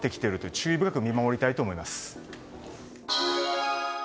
注意深く見守りたいと思います。